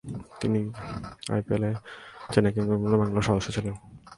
তিনি আইপিএলে Chennai Super Kings এবং রয়্যাল চ্যালেঞ্জার্স ব্যাঙ্গালোর সদস্য ছিলেন।